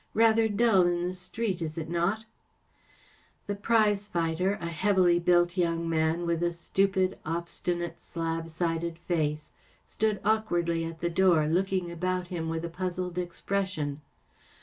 Rather dull in the street, is it not ?" T IE prize fighter, a heavily built young man with a stupid, obstinate, slab sided face, stood awkwardly at the door, look¬ ing about him with a puzzled expression.